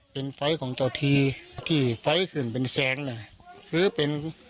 เป็นไฟของเจ้าที่ที่ไฟขึ้นเป็นแสงนะฮะ